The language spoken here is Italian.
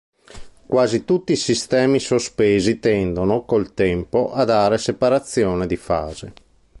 Quasi tutti i sistemi sospesi tendono, col tempo, a dare separazione di fase.